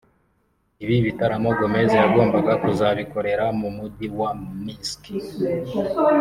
Ibi bitaramo Gomez yagombaga kuzabikorera mu mujyi wa Minsk